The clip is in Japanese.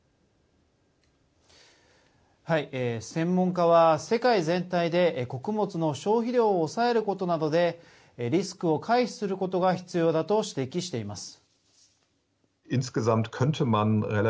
専門家は世界全体で穀物の消費量を抑えることなどでリスクを回避することが必要だと指摘しています。